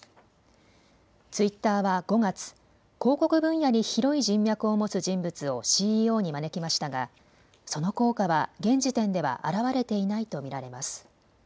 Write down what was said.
ツイッターは５月、広告分野に広い人脈を持つ人物をＣＥＯに招きましたが、その効果は現時点では現れていないと見られます。